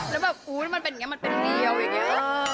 แล้วแบบมันเป็นอย่างเงี้ยมันเป็นเดียวอย่างเงี้ย